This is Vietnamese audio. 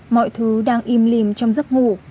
mọi thứ đang im lìm trong giấc ngủ